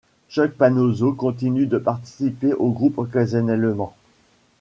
Chuck Panozzo continue de participer au groupe occasionnellement.